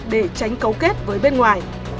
để tránh cấu kết với bên ngoài